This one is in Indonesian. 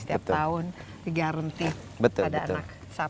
jadi setiap tahun digaranti pada anak sapi